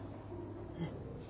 うん。